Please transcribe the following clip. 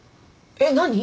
えっ何？